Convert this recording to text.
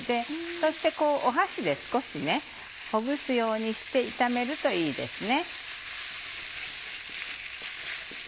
そして箸で少しほぐすようにして炒めるといいですね。